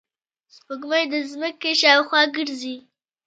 سپوږمۍ د ځمکې شاوخوا ګرځي